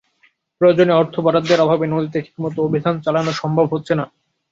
প্রয়োজনীয় অর্থ বরাদ্দের অভাবে নদীতে ঠিকমতো অভিযান চালানো সম্ভব হচ্ছে না।